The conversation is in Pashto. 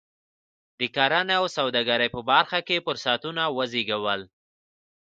د کرنې او سوداګرۍ په برخه کې فرصتونه وزېږول.